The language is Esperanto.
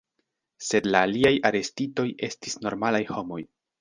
Sed la aliaj arestitoj estis normalaj homoj.